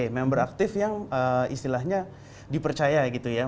member aktif yang istilahnya dipercaya